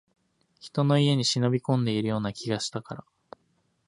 人の家に忍び込んでいるような気がしたから